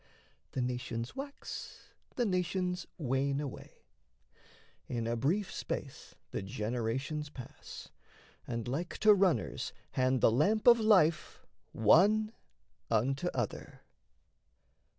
The nations wax, the nations wane away; In a brief space the generations pass, And like to runners hand the lamp of life One unto other.